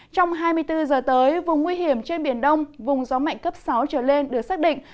trong hai mươi bốn giờ tới vùng nguy hiểm trên biển đông vùng gió mạnh cấp sáu trở lên được xác định